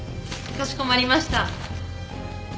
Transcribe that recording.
かしこまりました。